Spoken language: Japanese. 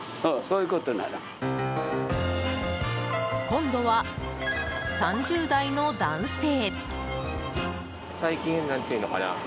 今度は３０代の男性。